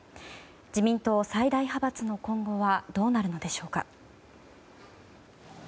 自民党最大派閥の今後はどうなるのでしょうか。